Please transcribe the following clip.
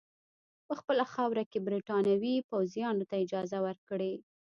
په خپله خاوره کې برټانوي پوځیانو ته اجازه ورکړي.